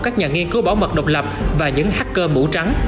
các nhà nghiên cứu bảo mật độc lập và những hacker mũ trắng